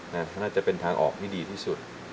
น่าจะเป็นทางออกที่ดีที่สุด